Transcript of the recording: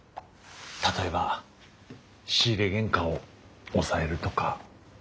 例えば仕入れ原価を抑えるとか。